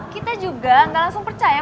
kita juga gak langsung percaya